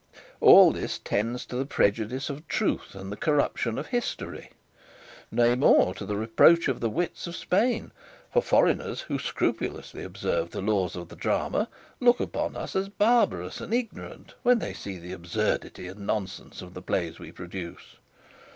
All this tends to the prejudice of the truth and the corruption of history, nay more, to the reproach of the wits of Spain; for foreigners who scrupulously observe the laws of the drama look upon us as barbarous and ignorant, when they see the absurdity and nonsense of the plays we produce.